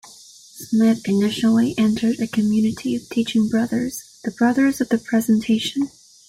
Smyth initially entered a community of teaching brothers, the Brothers of the Presentation.